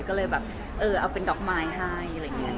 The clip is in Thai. ก็เลยแบบเออเอาเป็นดอกไม้ให้อะไรอย่างนี้